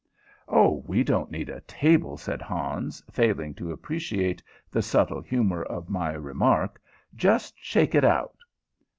"Oh, we don't need a table," said Hans, failing to appreciate the subtle humor of my remark. "Just shake it out."